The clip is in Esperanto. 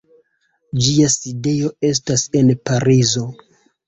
Ĝia sidejo estas en Parizo.